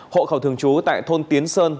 hộ khẩu thường trú tại thôn tiến sơn